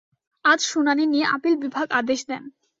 আজ শুনানি নিয়ে আপিল বিভাগ আদেশ দেন।